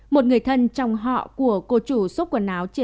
một người thân trong họ của cô chủ xúc quần áo chia sẻ